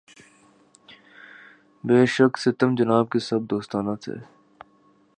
بے شک ستم جناب کے سب دوستانہ تھے